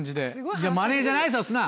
いやマネジャーに挨拶すな！